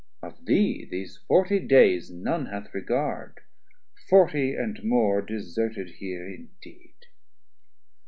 Of thee these forty days none hath regard, Forty and more deserted here indeed.